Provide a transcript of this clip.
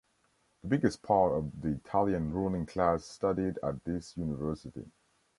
The biggest part of the Italian ruling class studied at this University.